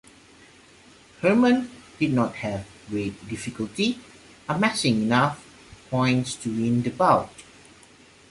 Herman did not have great difficulty amassing enough points to win the bout.